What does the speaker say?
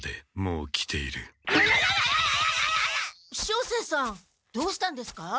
照星さんどうしたんですか？